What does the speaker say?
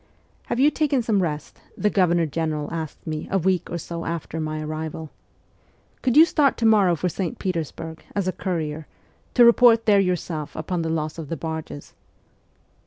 ' Have you taken some rest ?' the Governor General asked me a week or so after my arrival. ' Could you start to morrow for St. Petersburg, as a courier, to report there yourself upon the loss of the barges